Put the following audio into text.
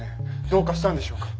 どうかしたんでしょうか。